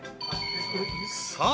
［さあ］